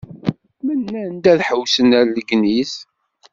Mennan-d ad ḥewwsen ar Legniz.